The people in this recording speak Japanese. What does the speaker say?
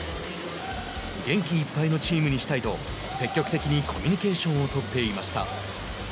元気いっぱいのチームにしたいと積極的にコミュニケーションを取っていました。